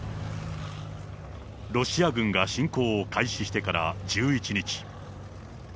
ロシア軍が侵攻を開始してから１１日。